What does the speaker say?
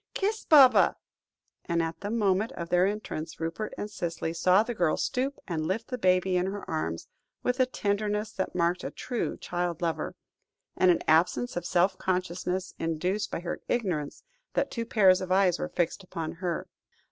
Kiss Baba," and, at the moment of their entrance, Rupert and Cicely saw the girl stoop and lift the baby in her arms, with a tenderness that marked a true child lover, and an absence of self consciousness induced by her ignorance that two pairs of eyes were fixed upon her.